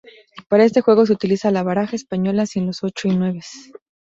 Para este juego se utiliza la baraja española sin los ochos y nueves.